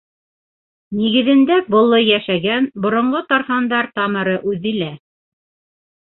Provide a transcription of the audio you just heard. Нигеҙендә болло йәшәгән, боронғо тархандар тамыры үҙе лә.